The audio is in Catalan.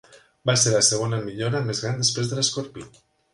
Va ser la segona millora més gran després de l'escorpí.